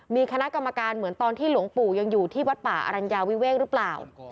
มีคณะกรรมการเหมือนตอนที่หลวงปู่ยังอยู่ที่วัดป่าอรัญญาวิเวกหรือเปล่า